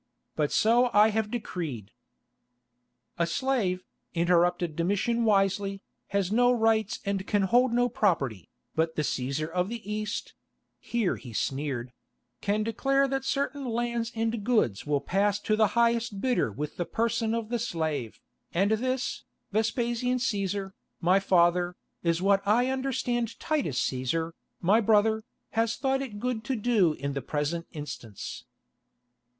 But so I have decreed." "A slave," interrupted Domitian wisely, "has no rights and can hold no property, but the Cæsar of the East"—here he sneered—"can declare that certain lands and goods will pass to the highest bidder with the person of the slave, and this, Vespasian Cæsar, my father, is what I understand Titus Cæsar, my brother, has thought it good to do in the present instance."